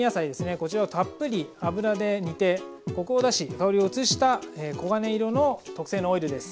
こちらをたっぷり油で煮てコクを出し香りを移した黄金色の特製のオイルです。